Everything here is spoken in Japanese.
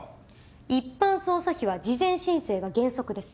一般捜査費は事前申請が原則です。